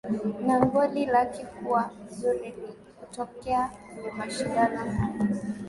Na goli lake kuwa zuri kutokea kwenye mashindano hayo